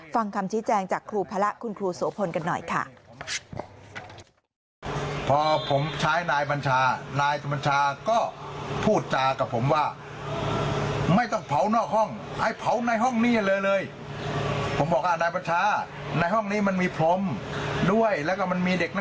ฟังคำชี้แจงจากครูพระคุณครูโสพลกันหน่อยค่ะ